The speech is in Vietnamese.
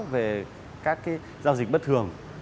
về các giao dịch bất thường